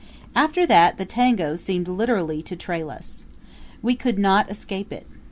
After that the tango seemed literally to trail us. We could not escape it.